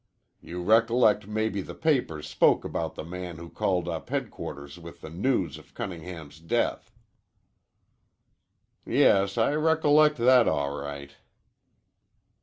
You recollect maybe the papers spoke about the man who called up headquarters with the news of Cunningham's death." "Yes, I recollect that all right."